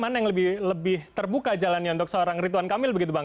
mana yang lebih terbuka jalannya untuk seorang rituan kamil begitu bang